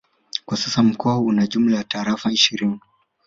Kwa sasa mkoa una jumla ya Tarafa ishirini